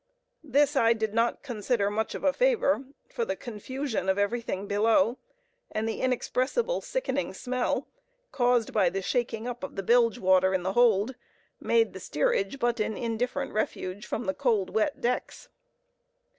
This I did not consider much of a favor, for the confusion of everything below, and the inexpressible sickening smell, caused by the shaking up of the bilge water in the hold, made the steerage but an indifferent refuge from the cold wet decks.